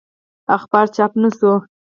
اخبار چاپ نه شو.